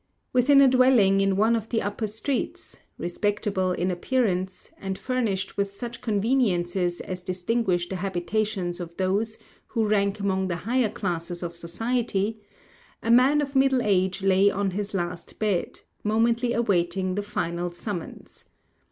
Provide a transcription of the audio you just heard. Within a dwelling in one of the upper streets, respectable in appearance, and furnished with such conveniences as distinguish the habitations of those who rank among the higher classes of society, a man of middle age lay on his last bed, momently awaiting the final summons.